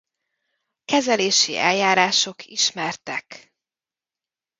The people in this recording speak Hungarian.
Kezelési eljárások ismertek.